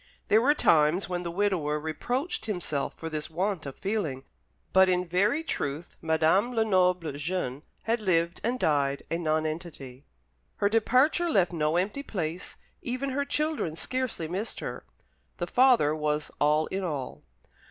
There were times when the widower reproached himself for this want of feeling; but in very truth Madame Lenoble, jeune, had lived and died a nonentity. Her departure left no empty place; even her children scarcely missed her. The father was all in all.